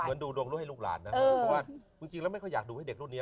ดูดวงรุ่นให้ลูกหลานนะเพราะว่าจริงแล้วไม่ค่อยอยากดูให้เด็กรุ่นนี้